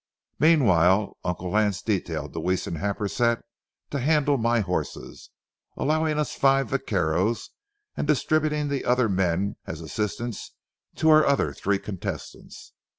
Meanwhile Uncle Lance detailed Deweese and Happersett to handle my horses, allowing us five vaqueros, and distributing the other men as assistants to our other three contestants.